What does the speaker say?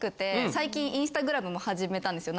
最近インスタグラムも始めたんですよ